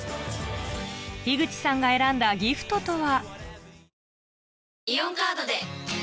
口さんが選んだギフトとは？